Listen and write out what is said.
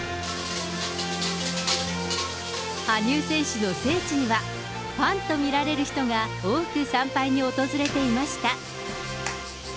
羽生選手の聖地には、ファンと見られる人が多く参拝に訪れていました。